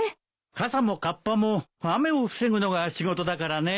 傘もかっぱも雨を防ぐのが仕事だからね。